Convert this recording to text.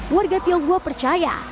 warga tiongkok percaya